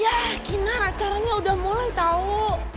ya kinar acaranya udah mulai tau